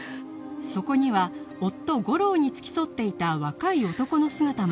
そこには夫吾良に付き添っていた若い男の姿も